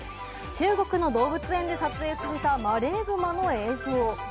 中国の動物園で撮影されたマレーグマの映像。